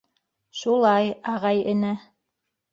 — Шулай, ағай-эне.